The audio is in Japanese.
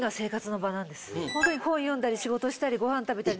ほんとに本読んだり仕事したりご飯食べたり。